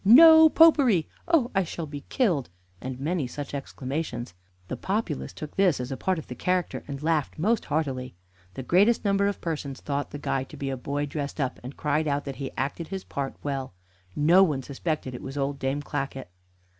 No Popery! Oh! I shall be killed!" and many such exclamations. The populace took this as a part of the character, and laughed most heartily. The greatest number of persons thought the guy to be a boy dressed up, and cried out that he acted his part well. No one suspected it was old Dame Clackett.